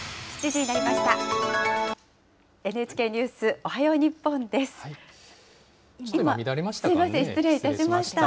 ７時になりました。